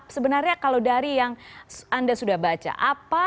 sebenarnya kalau dari yang anda sudah baca